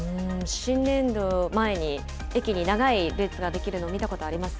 新年度前に、駅に長い列が出来るのを見たことあります。